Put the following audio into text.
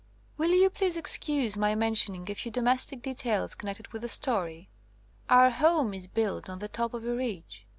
Will you please excuse my men* tioning a few domestic details connected with the story? Our home is built on the top of a ridge.